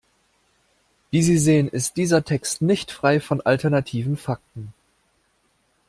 Wie Sie sehen, ist dieser Text nicht frei von alternativen Fakten.